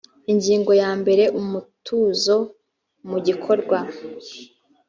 ingingo ya mbere umutuzo mu gikorwa